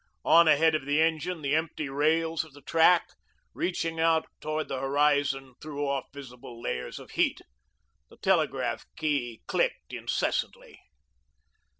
On ahead of the engine, the empty rails of the track, reaching out toward the horizon, threw off visible layers of heat. The telegraph key clicked incessantly.